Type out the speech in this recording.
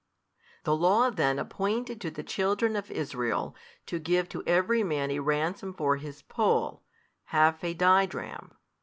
The Law then appointed to the children of Israel to give to every man a ransom for his poll, half a didrachm.